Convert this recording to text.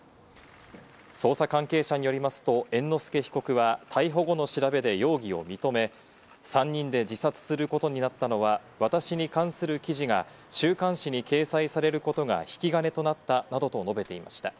捜査関係者によりますと、猿之助被告は逮捕後の調べで容疑を認め、３人で自殺することになったのは、私に関する記事が週刊誌に掲載されることが引き金となったなどと述べていました。